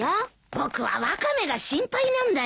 僕はワカメが心配なんだよ。